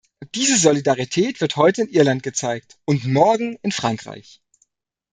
Diese Solidarität wird heute in Irland gezeigt, und morgen in Frankreich.